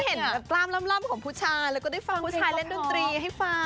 เห็นแบบกล้ามล่ำของผู้ชายแล้วก็ได้ฟังผู้ชายเล่นดนตรีให้ฟัง